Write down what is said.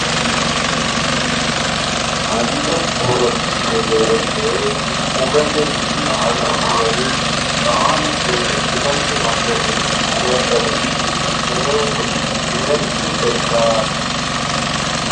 அந்தப்புரத்திலிருந்து குழந்தையின் அழுகுரல் காற்றில் மிதந்துவந்ததைக் கேட்டதும் மேலும் விரக்தி பெற்றார்.